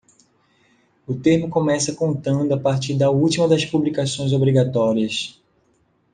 O termo começa contando a partir da última das publicações obrigatórias.